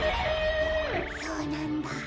そうなんだ。